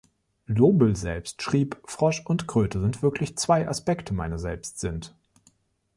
Lobel selbst schrieb, Frosch und Kröte sind wirklich zwei Aspekte meiner selbst sind.